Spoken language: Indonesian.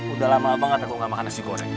udah lama banget aku gak makan nasi goreng